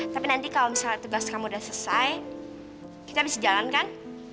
tapi nanti kalau misalnya tugas kamu udah selesai kita bisa jalankan